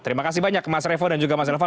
terima kasih banyak mas revo dan juga mas elvan